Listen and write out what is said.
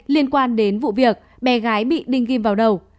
liên quan đến vụ việc bé gái bị đinh kim vào đầu